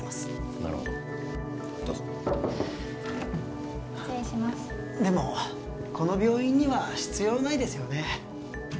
なるほどどうぞ失礼しますでもこの病院には必要ないですよね